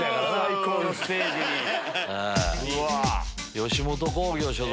吉本興業所属。